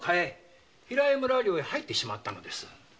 領へ入ってしまったのです。